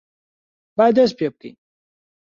با دەست پێ بکەین!